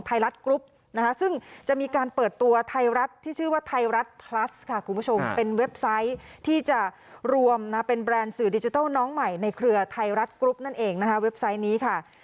ทายรัฐกลุ๊ปซึ่งจะมีการเปิดตัวทายรัฐทีชื่อว่าทายรัฐพลัสคุณผู้ชมเป็นเว็บไซต์ที่จะรวมนะเป็นแบรนด์สื่อดิจิทัลน้องใหม่ในเครือทายรัฐกลุ๊ปนั่นเองนะ